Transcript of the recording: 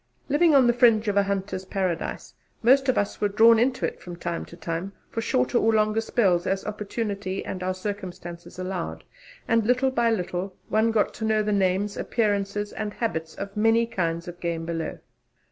Living on the fringe of a hunter's paradise, most of us were drawn into it from time to time, for shorter or longer spells, as opportunity and our circumstances allowed; and little by little one got to know the names, appearances and habits of the many kinds of game below.